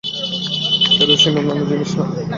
Kerosene এবং অন্যান্য জিনিস নাও।